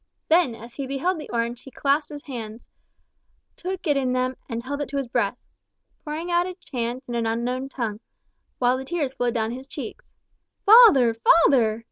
Then, as he beheld the orange, he clasped his hands, took it in them, and held it to his breast, pouring out a chant in an unknown tongue, while the tears flowed down his cheeks. "Father, father!"